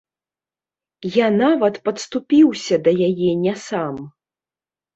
Я нават падступіўся да яе не сам.